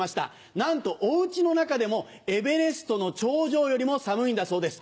なんとお家の中でもエベレストの頂上よりも寒いんだそうです。